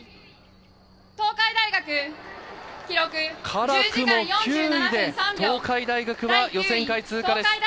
からくも９位で東海大学は予選会通過です。